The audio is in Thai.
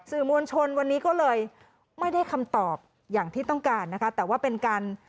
มวลชนวันนี้ก็เลยไม่ได้คำตอบอย่างที่ต้องการนะคะแต่ว่าเป็นการ